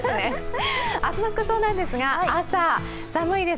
明日の服装なんですが朝、寒いです。